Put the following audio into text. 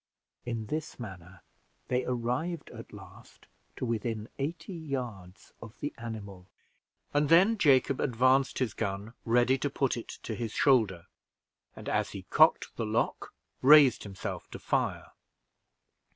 In this manner they arrived at last to within eighty yards of the animal, and then Jacob advanced his gun ready to put it to his shoulder, and, as he cocked the lock, raised himself to fire.